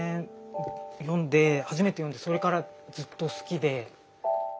読んで初めて読んでそれからずっと好きで。